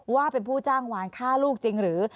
ว่าเป็นผู้จ้างวานฆ่าลูกจริงหรือ